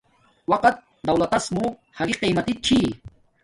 وقت دولتس موہ حاگی قیمتی چھی